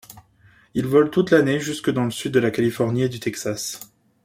Il vole toute l'année jusques dans le sud de la Californie et du Texas.